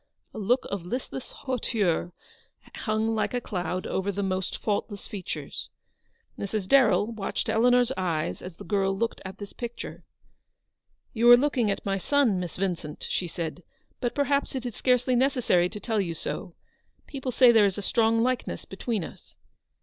A look of listless hauteur hung like a cloud over the almost faultless features. Mrs. Darrell watched Eleanor's eyes as the girl looked at this picture. " You are looking at my son, Miss Vincent," she said ;" but perhaps it is scarcely necessary to tell you so. People say there is a strong likeness between us."